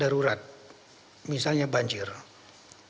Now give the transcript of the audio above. hai sobat indonesia